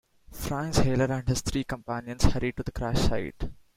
Franz Hailer and his three companions hurried to the crash site.